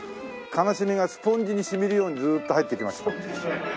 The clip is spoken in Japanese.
悲しみがスポンジに染みるようにずーっと入ってきました。